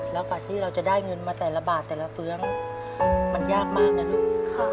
แล้วกว่าที่เราจะได้เงินมาแต่ละบาทแต่ละเฟื้องมันยากมากนะลูก